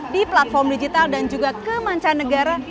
di platform digital dan juga ke mancanegara